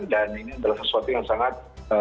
dan ini adalah sesuatu yang sangat